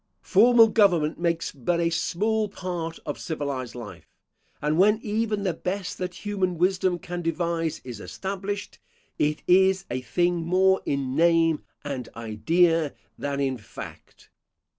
Formal government makes but a small part of civilised life; and when even the best that human wisdom can devise is established, it is a thing more in name and idea than in fact.